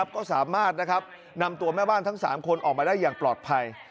ก็สามารถนำตัวแม่บ้านทั้ง๓คนออกมาได้อย่างปลอดภัย